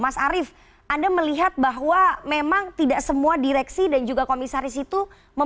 mas arief anda melihat bahwa memang tidak semua direksi dan juga komisaris itu